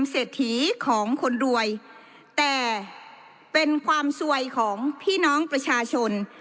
เศรษฐีของคนรวยแต่เป็นความสวยของพี่น้องประชาชน